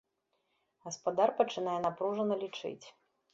Гаспадар пачынае напружана лічыць.